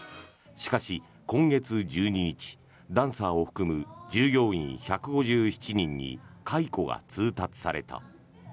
しかし今月１２日ダンサーを含む従業員１５７人に解雇が通達された。